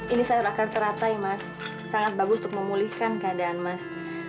ini sayur akar teratai mas sangat bagus untuk memulihkan keadaan mas